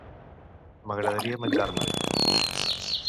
M'agradaria menjar-me'n m